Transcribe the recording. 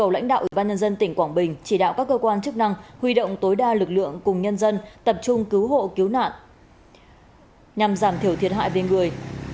lãnh đạo ủy ban nhân dân tỉnh quảng bình chỉ đạo các cơ quan chức năng huy động tối đa lực lượng cùng nhân dân tập trung cứu hộ cứu nạn nhằm giảm thiểu thiệt hại bên người